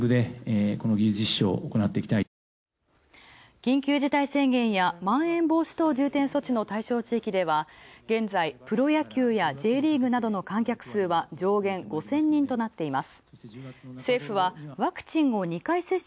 緊急事態宣言やまん延防止等重点措置の対象地域では、現在、プロ野球やＪリーグの観客数は上限５０００人となっています。